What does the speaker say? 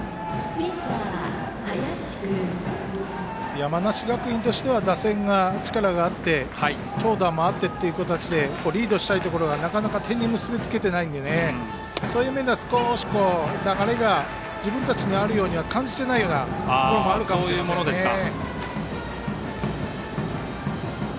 山梨学院としては打線が力があって長打もあってという形でリードしたいところですがなかなか点に結び付けてないのでそういう面では少し流れが自分たちにあるようには感じていないところもあるかもしれませんね。